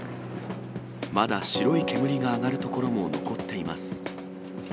まだ白い煙が上がる所も残っています。